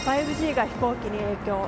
５Ｇが飛行機に影響